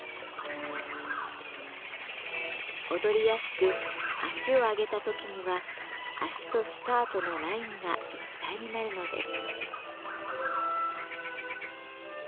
踊りやすく足を上げた時には足とスカートのラインが一体になるのです。